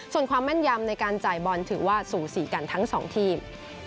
ส่วนความแม่นยำในการจ่ายบอลถือว่าสูสีกันทั้งสองทีม